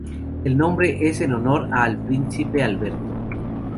El nombre es en honor al Príncipe Alberto.